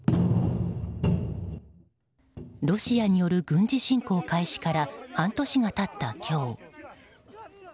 ロシアによる軍事侵攻開始から半年が経った今日。